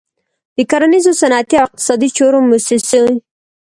د کرنیزو، صنعتي او اقتصادي چارو موسسې.